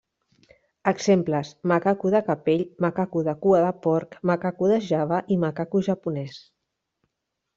Exemples: macaco de capell, macaco de cua de porc, macaco de Java i macaco japonès.